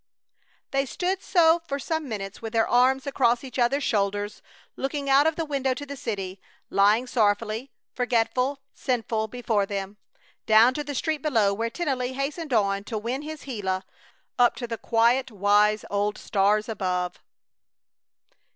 They stood so for some minutes with their arms across each other's shoulders, looking out of the window to the city, lying sorrowful, forgetful, sinful, before them; down to the street below, where Tennelly hastened on to win his Gila; up to the quiet, wise old stars above.